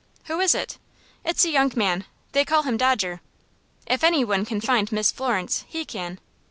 "Who is it?" "It's a young man. They call him Dodger. If any one can find Miss Florence, he can."